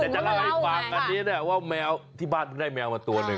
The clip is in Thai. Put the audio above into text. แต่จะเล่าให้ฟังอันนี้นะว่าแมวที่บ้านเพิ่งได้แมวมาตัวหนึ่ง